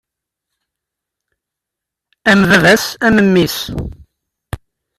Am baba-s, am memmi-s.